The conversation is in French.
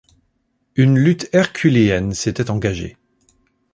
Une lutte herculéenne s’était engagée.